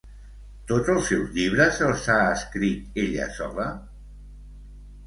Tots els seus llibres els ha escrit ella sola?